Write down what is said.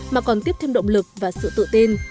mà còn tiếp thêm động lực và sự tự tin